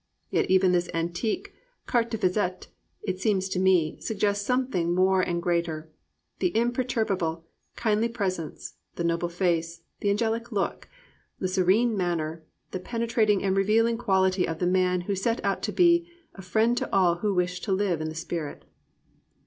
Yet even this antique "carte de visite," it seems to me, suggests some thing more and greater, — the imperturbable, kindly presence, the noble face, the angeKc look, the serene manner, the penetrating and revealing quality of the man who set out to be "a friend to all who wished to live in the spirit."